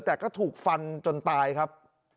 แต่ก็ถูกฟันจนตายครับ